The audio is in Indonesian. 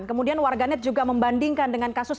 kemudian warganet juga membandingkan dengan kasus